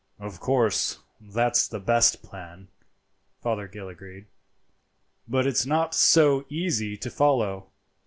"Of course, that's the best plan," Fothergill agreed, "but it's not so easy to follow.